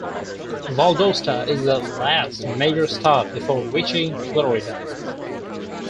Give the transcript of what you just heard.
Valdosta is the last major stop before reaching Florida.